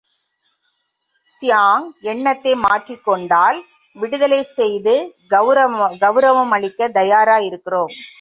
Chiang தன் எண்ணத்தை மாற்றிக் கொண்டால் அவரை உடனே விடுதலை செய்து அவருடைய பழைய கெளரவங்களையளிக்கத் தயாரயிருக்கிறோம்.